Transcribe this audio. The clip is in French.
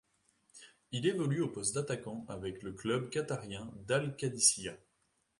Il évolue au poste d'attaquant avec le club qatarien d'Al-Qadisiyah.